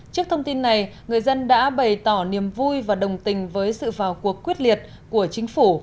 trước thông tin này người dân đã bày tỏ niềm vui và đồng tình với sự vào cuộc quyết liệt của chính phủ